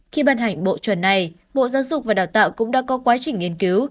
khi ban hành bộ chuẩn này bộ giáo dục và đào tạo cũng đã có quá trình nghiên cứu